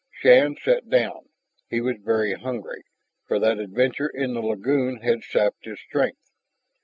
Shann sat down. He was very hungry, for that adventure in the lagoon had sapped his strength.